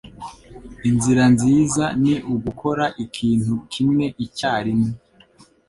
Inzira nziza ni ugukora ikintu kimwe icyarimwe.